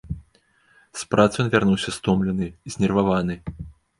З працы ён вярнуўся стомлены, знерваваны.